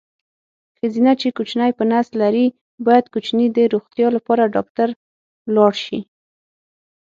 ښځېنه چې کوچینی په نس لري باید کوچیني د روغتیا لپاره ډاکټر ولاړ شي.